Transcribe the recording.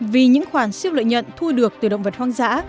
vì những khoản siêu lợi nhận thu được từ động vật hoang dã